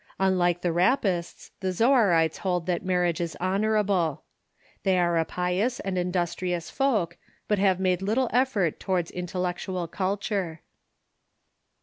Unlike the Rappists, the Zoarites hold that marriage is honorable. The}^ are a pious and industrious folk, but have made little effort towards intellectual culture.